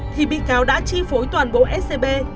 thì bị cáo đã chi phối toàn bộ scb